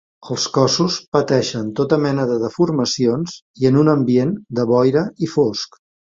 Els cossos pateixen tota mena de deformacions i en un ambient de boira i fosc.